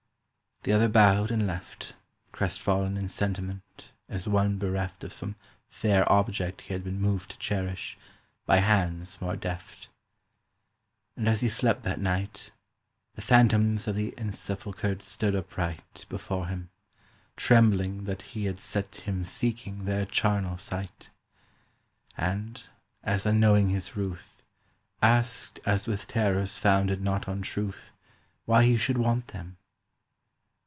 The other bowed, and left, Crestfallen in sentiment, as one bereft Of some fair object he had been moved to cherish, By hands more deft. And as he slept that night The phantoms of the ensepulchred stood up right Before him, trembling that he had set him seeking Their charnel site. And, as unknowing his ruth, Asked as with terrors founded not on truth Why he should want them.